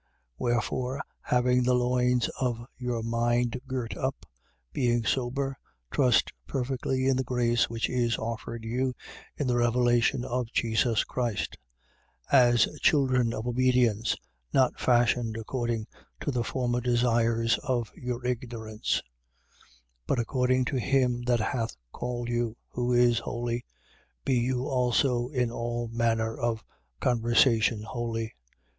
1:13. Wherefore, having the loins of your mind girt up, being sober, trust perfectly in the grace which is offered you in the revelation of Jesus Christ. 1:14. As children of obedience, not fashioned according to the former desires of your ignorance, 1:15. But according to him that hath called you, who is holy, be you also in all manner of conversation holy: 1:16.